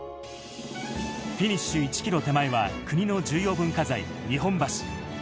フィニッシュ１ｋｍ手前は国の重要文化財・日本橋。